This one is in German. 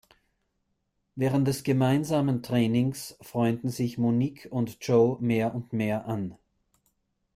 Während des gemeinsamen Trainings freunden sich Monique und Joe mehr und mehr an.